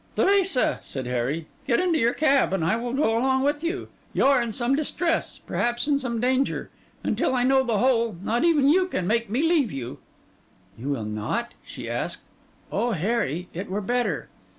'Teresa,' said Harry, 'get into your cab, and I will go along with you. You are in some distress, perhaps some danger; and till I know the whole, not even you can make me leave you.' 'You will not?' she asked. 'O Harry, it were better!